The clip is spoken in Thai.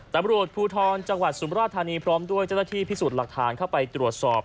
ตำรวจภูทรจังหวัดสุมราชธานีพร้อมด้วยเจ้าหน้าที่พิสูจน์หลักฐานเข้าไปตรวจสอบ